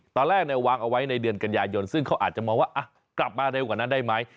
ตอนแรกวางเอาไว้ในเดือนกันยายนซึ่งเขาอาจจะมองว่ากลับมาเร็วกว่านั้นได้ไหม